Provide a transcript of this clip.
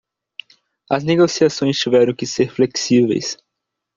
As negociações tiveram que ser flexíveis.